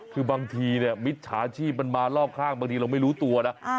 คือบางทีเนี่ยมิจฉาชีพมันมารอบข้างบางทีเราไม่รู้ตัวนะ